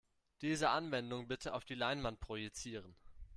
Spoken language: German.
Diese Anwendung bitte auf die Leinwand projizieren.